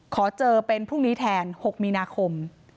ขอเจอเป็นพรุ่งนี้แทน๖มีนาคม